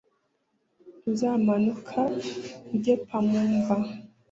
Uzamanuka ujye p mu mva